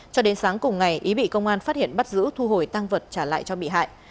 cho đến sáng cùng ngày ý bị công an phát hiện bắt giữ thu hồi tăng vật trả lại cho bị hại